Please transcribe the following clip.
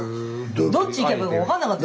どっち行けばいいか分かんなかった。